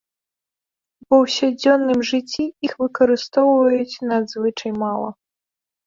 У паўсядзённым жыцці іх выкарыстоўваюць надзвычай мала.